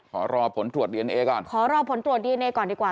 ขอรอผลตรวจดีเอนเอก่อนขอรอผลตรวจดีเอก่อนดีกว่า